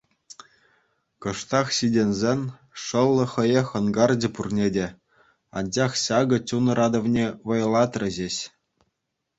Кӑштах ҫитӗнсен, шӑллӗ хӑех ӑнкарчӗ пурне те, анчах ҫакӑ чун ыратӑвне вӑйлатрӗ ҫеҫ.